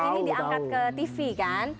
ini diangkat ke tv kan